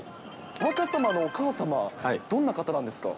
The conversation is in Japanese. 若様のお母様はどんな方なんですか？